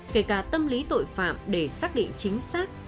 kể cả tâm lý tội phạm để xác định chính xác